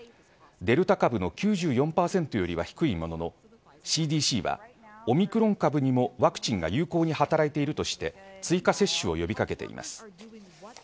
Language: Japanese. デルタ株の９４％よりは低いもののＣＤＣは、オミクロン株にもワクチンが有効に働いているとして追加接種を呼び掛けています。